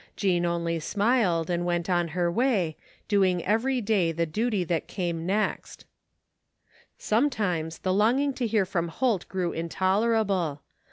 Jean only smiled, and went on her way, doing every day the duty that came next Sometimes the longing to hear from Holt grew in tolerable.